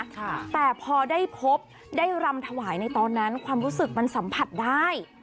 แต่พอได้พบได้รำถวายในตอนนั้นความรู้สึกมันสัมผัสได้